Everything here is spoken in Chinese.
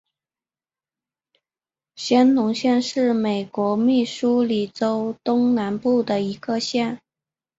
香农县是美国密苏里州东南部的一个县。